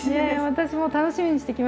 私も楽しみにしてきました。